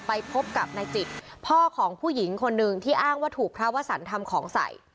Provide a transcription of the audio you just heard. ไปพบกับนายจิตพ่อของผู้หญิงคนหนึ่งที่อ้างว่าถูกพระวสันทำของใส่